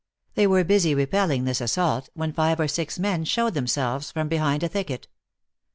They were busy repelling this assault, when flve or six men showed themselves from behind a thicket.